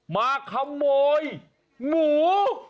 มาขโมยหมู